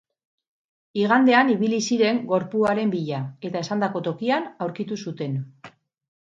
Igandean ibili ziren gorpuaren bila, eta esandako tokian aurkitu zuten.